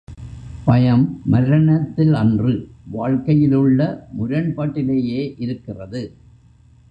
பயம் மரணத்திலன்று வாழ்க்கையிலுள்ள முரண்பாட்டிலேயே இருக்கிறது.